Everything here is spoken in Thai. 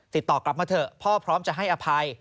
ติดต่อกลับมาเถอะพ่อพร้อมจะให้อภัย